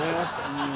うん。